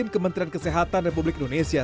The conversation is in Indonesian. kementerian kesehatan republik indonesia